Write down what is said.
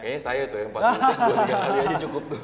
kayanya saya tuh yang empat puluh detik dua tiga kali aja cukup tuh